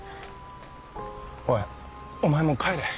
おいお前もう帰れ。